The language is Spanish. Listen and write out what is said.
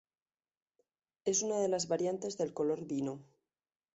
Es una de las variantes del color vino.